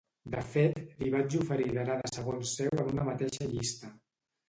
De fet, li vaig oferir d’anar de segon seu en una mateixa llista.